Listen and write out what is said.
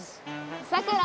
さくら！